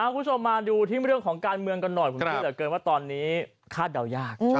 คุณผู้ชมมาดูที่เรื่องของการเมืองกันหน่อยผมคิดเหลือเกินว่าตอนนี้คาดเดายาก